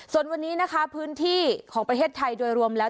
ส่วนวันนี้นะคะพื้นที่ของประเทศไทยโดยรวมแล้ว